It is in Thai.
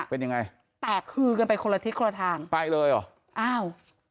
เป็นยังไงแตกคือกันไปคนละทิศคนละทางไปเลยเหรออ้าว